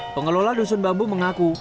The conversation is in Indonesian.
pengelola dusun bambu mengaku